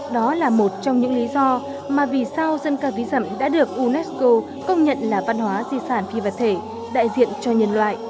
đó là một trong những lý do mà vì sao dân ca ví dặm đã được unesco công nhận là văn hóa di sản phi vật thể đại diện cho nhân loại